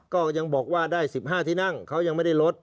ก็ยังบอกว่าได้๑๕ที่นั่งเขายังไม่ได้ลด